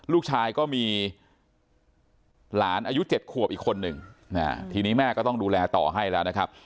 ลูกชายก็มีหลานอายุ๗ขวบอีกคนหนึ่งทีนี้แม่ก็ต้องดูแลต่อให้แล้วนะครับ